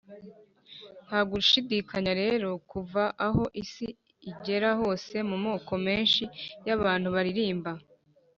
nta gushidikanya rero kuva aho isi igera hose mu moko menshi y’abantu baririmba